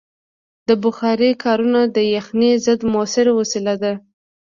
د بخارۍ کارونه د یخنۍ ضد مؤثره وسیله ده.